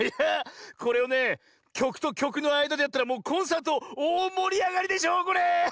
これをねきょくときょくのあいだでやったらもうコンサートおおもりあがりでしょうこれ。